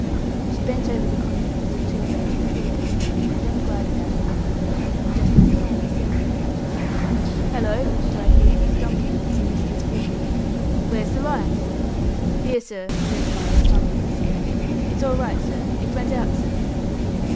She bent over the convict as if to arrange his pillow, and then glided out of the cabin, just as Pine descended the hatchway. "Hallo!" cried he, stumbling, as he missed his footing; "where's the light?" "Here, sir," says Miles, fumbling with the lantern. "It's all right, sir. It went out, sir."